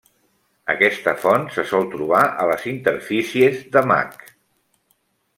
Aquesta font se sol trobar a les interfícies de Mac.